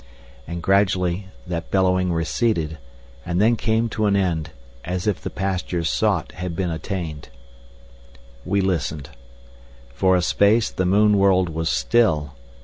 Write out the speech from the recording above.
And gradually that bellowing receded, and then came to an end, as if the pastures sought had been attained. We listened. For a space the moon world was still.